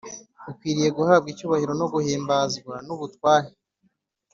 ukwiriye guhabwa icyubahiro no guhimbazwa n’ubutware